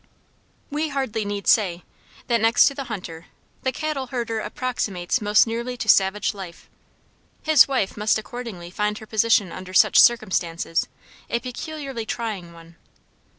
We hardly need say, that next to the hunter, the cattle herder approximates most nearly to savage life; his wife must accordingly find her position under such circumstances, a peculiarly trying one.